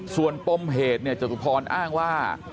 ส่วนปมเหตุจตุพรอ้างว่า